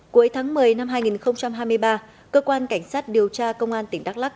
cuối tháng một mươi năm hai nghìn hai mươi ba cơ quan cảnh sát điều tra công an tỉnh đắk lắc